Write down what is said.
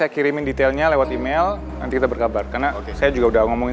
kita kirimin detailnya lewat email nanti kita berkabar karena oke saya juga udah ngomongin